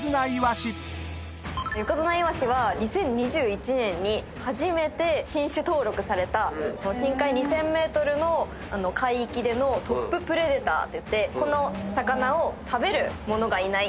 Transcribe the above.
ヨコヅナイワシは２０２１年に初めて新種登録された深海２，０００ｍの海域でのトッププレデターっていってこの魚を食べるものがいない。